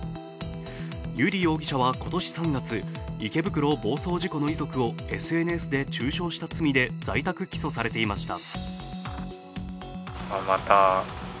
油利容疑者は今年３月池袋暴走事故の遺族をＳＮＳで中傷した罪で在宅起訴されていました。